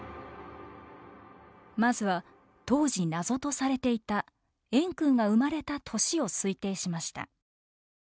まずは当時謎とされていた円空が生まれた年を推定しました。